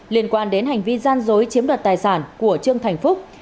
liên quan đến hành vi gian dối chiếm đoạt tài sản của trương thành phúc